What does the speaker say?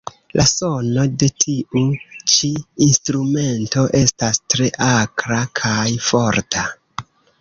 La sono de tiu ĉi instrumento estas tre akra kaj forta.